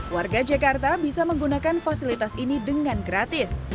warga jakarta bisa menggunakan fasilitas ini dengan gratis